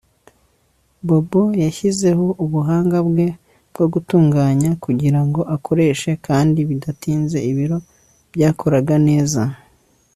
Bobo yashyizeho ubuhanga bwe bwo gutunganya kugirango akoreshe kandi bidatinze ibiro byakoraga neza